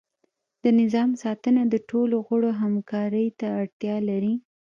د نظام ساتنه د ټولو غړو همکاری ته اړتیا لري.